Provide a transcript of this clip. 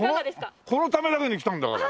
このためだけに来たんだから。